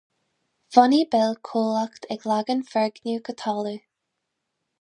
Bhunaigh Bill comhlacht ag leagan foirgneamh go talamh.